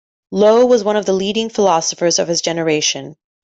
Lowe was one of the leading philosophers of his generation.